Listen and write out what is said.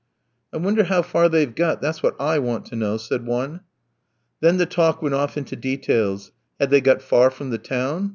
"I wonder how far they've got; that's what I want to know," said one. Then the talk went off into details: Had they got far from the town?